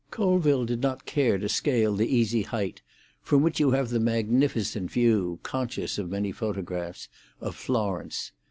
Colville did not care to scale the easy height from which you have the magnificent view, conscious of many photographs, of Florence.